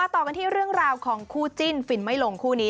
ต่อกันที่เรื่องราวของคู่จิ้นฟินไม่ลงคู่นี้